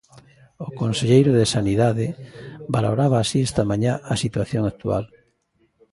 O Conselleiro de Sanidade valoraba así esta mañá a situación actual...